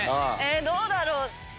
どうだろう？